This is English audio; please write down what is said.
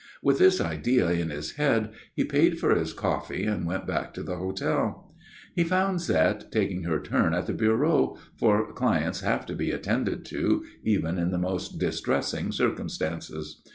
With this idea in his head, he paid for his coffee and went back to the hotel. He found Zette taking her turn at the bureau, for clients have to be attended to, even in the most distressing circumstances.